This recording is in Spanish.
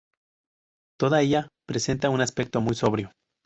Toda ella presenta un aspecto muy sobrio.